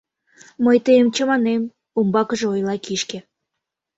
— Мый тыйым чаманем, — умбакыже ойла кишке.